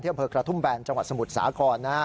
ที่บริเวณกระทุ่มแบนจังหวัดสมุทรสากร